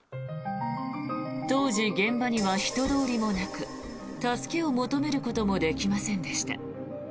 当時、現場には人通りもなく助けを求めることもできませんでした。